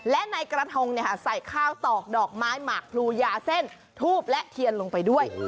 และในกระทงใส่ข้าวตอกดอกไม้หมากพลูยาเส้นทูบและเทียนลงไปด้วย